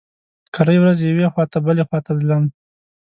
کرۍ ورځ يوې خوا ته بلې خوا ته ځلم.